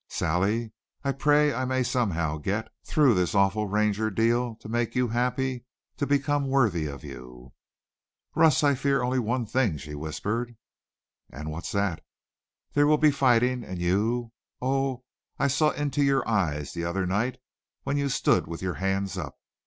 Sally, I pray I may somehow get through this awful Ranger deal to make you happy, to become worthy of you!" "Russ, I fear only one thing," she whispered. "And what's that?" "There will be fighting. And you oh, I saw into your eyes the other night when you stood with your hands up.